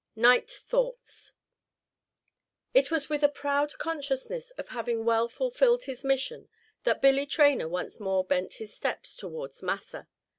NIGHT THOUGHTS It was with a proud consciousness of having well fulfilled his mission that Billy Traynor once more bent his steps towards Massa.